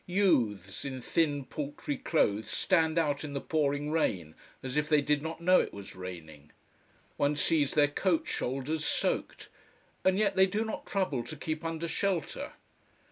Youths in thin, paltry clothes stand out in the pouring rain as if they did not know it was raining. One sees their coat shoulders soaked. And yet they do not trouble to keep under shelter.